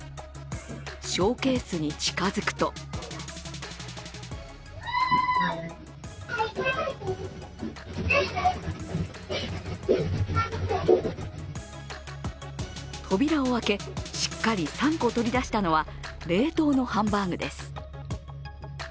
ショーケースに近づくと扉を開け、しっかり３個取り出したのは冷凍のハンバーグです。